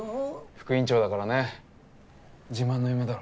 副院長だからね自慢の嫁だろ。